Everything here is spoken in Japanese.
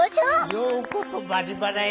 ようこそ「バリバラ」へ。